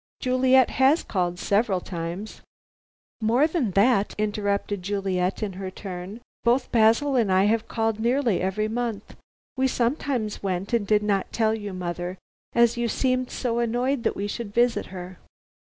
Juliet has called several times " "More than that," interrupted Juliet in her turn, "both Basil and I have called nearly every month. We sometimes went and did not tell you, mother, as you seemed so annoyed that we should visit her."